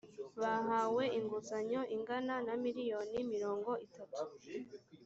bahawe inguzanyo ingana na miliyoni mirongo itatu